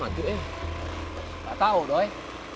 nggak tahu doi